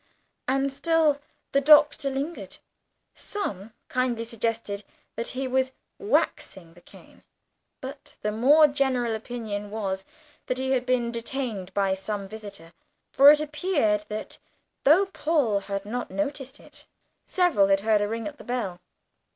And still the Doctor lingered. Some kindly suggested that he was "waxing the cane." But the more general opinion was that he had been detained by some visitor; for it appeared that (though Paul had not noticed it) several had heard a ring at the bell.